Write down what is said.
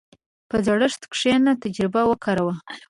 په زړښت کښېنه، تجربه وکاروه.